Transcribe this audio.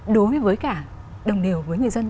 đối với cả đồng điều với người dân